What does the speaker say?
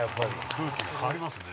空気が変わりますね。